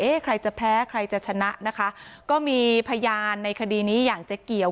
ใครจะแพ้ใครจะชนะนะคะก็มีพยานในคดีนี้อย่างเจ๊เกี่ยว